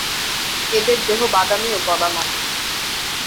এদের দেহ বাদামি ও গলা লম্বা।